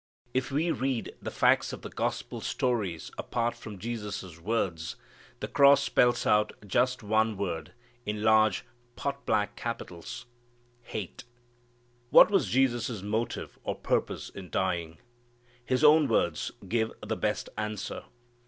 If we read the facts of the gospel stories apart from Jesus' words, the cross spells out just one word in large, pot black capitals HATE. What was Jesus' motive or purpose in dying? His own words give the best answer.